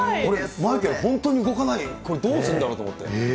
マイケル、本当に動かない、これどうするんだろうと思って。